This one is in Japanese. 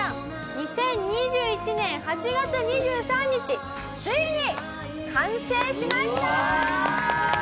２０２１年８月２３日ついに完成しました！